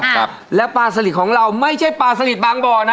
ครับแล้วปลาสลิดของเราไม่ใช่ปลาสลิดบางบ่อนะ